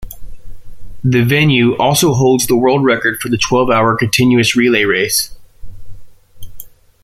The venue also holds the world record for the twelve-hour continuous relay race.